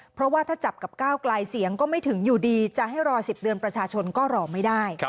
เพราะว่าถ้าจับกับก้าวไกลเสียงก็ไม่ถึงอยู่ดีจะให้รอ๑๐เดือนประชาชนก็รอไม่ได้